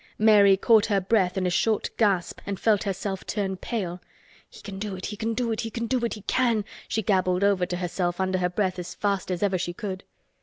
Mary caught her breath in a short gasp and felt herself turn pale. "He can do it! He can do it! He can do it! He can!" she gabbled over to herself under her breath as fast as ever she could.